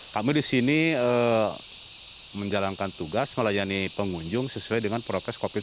kami di sini menjalankan tugas melayani pengunjung sesuai dengan prokes covid sembilan belas